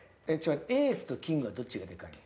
エースとキングはどっちがでかいの？